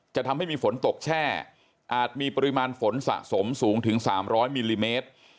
จะทำให้มีฝนตกแช่อาจมีปริมาณฝนสะสมสูงถึง๓๐๐มิลลิเมตร